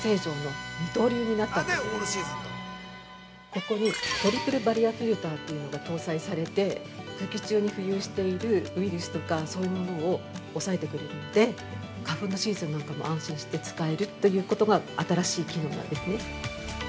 ここにトリプルバリアフィルターというのが搭載されて空気中に浮遊しているウイルスとか、そういうものを抑えてくれるので花粉のシーズンなんかも安心して使えるということが新しい機能になってて。